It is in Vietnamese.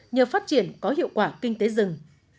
nhờ phát triển có hiệu quả kinh tế rừng